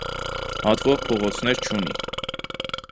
Հատվող փողոցներ չունի։